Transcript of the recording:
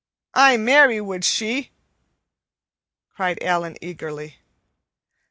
"Ay, marry would she," cried Allan eagerly.